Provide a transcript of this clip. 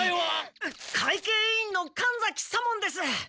会計委員の神崎左門です！